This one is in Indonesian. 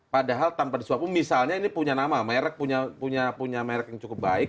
padahal tanpa disuapin misalnya ini punya nama merek punya merek yang cukup baik